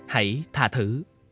hãy tha thử